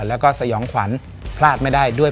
แล้วก็สยองขวัญพลาดไม่ได้ด้วย